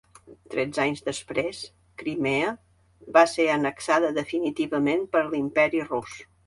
Tretze anys després, Crimea va ser annexada definitivament per l'imperi Rus.